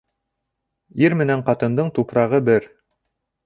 Ир менән ҡатындың тупрағы бер.